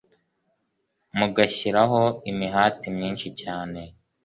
mugashyiraho imihati myinshi cyane